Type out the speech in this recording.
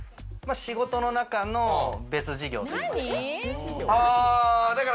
仕事の中の別事業といいますか。